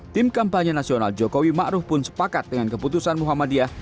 tim kampanye nasional jokowi ma'ruf pun sepakat dengan keputusan muhammadiyah